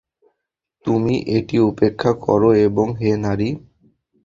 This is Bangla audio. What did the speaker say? তুমি এটি উপেক্ষা কর এবং হে নারী!